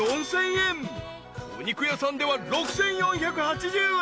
［お肉屋さんでは６，４８０円］